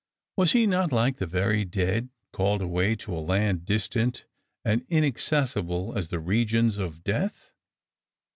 Was he not like the very dead; called away to a land distant and inaccessible as the regions of death